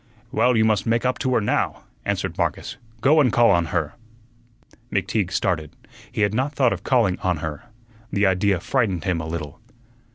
"Well, you must make up to her now," answered Marcus. "Go and call on her." McTeague started. He had not thought of calling on her. The idea frightened him a little.